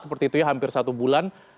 seperti itu ya hampir satu bulan